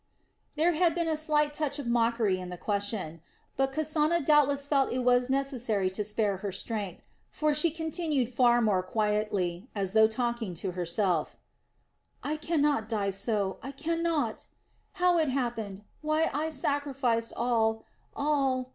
There had been a slight touch of mockery in the question; but Kasana doubtless felt that it was necessary to spare her strength; for she continued far more quietly, as though talking to herself: "I cannot die so, I cannot! How it happened; why I sacrificed all, all....